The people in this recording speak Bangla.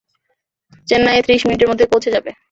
চেন্নাইয়ে ত্রিশ মিনিটের মধ্যে পৌঁছে যাবে।